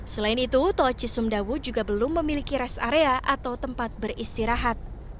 selain itu tol cisumdawu juga belum memiliki rest area atau tempat beristirahat